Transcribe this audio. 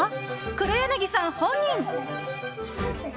黒柳さん本人。